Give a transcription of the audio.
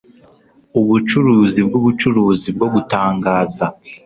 ubucuruzi bwubucuruzi bwo gutangaza